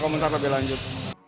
komentar lebih lanjut